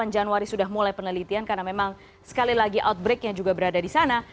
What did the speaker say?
dua puluh delapan januari sudah mulai penelitian karena memang sekali lagi outbreak yang juga berada di sana